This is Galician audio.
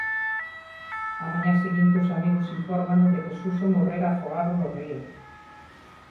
Á mañá seguinte os amigos infórmano de que Suso morrera afogado no río.